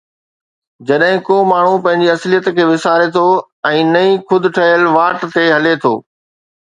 جڏهن ڪو ماڻهو پنهنجي اصليت کي وساري ٿو ۽ نئين خود ٺاهيل واٽ تي هلي ٿو